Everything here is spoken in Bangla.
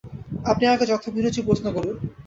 আপনি আমাকে যথাভিরুচি প্রশ্ন করুন।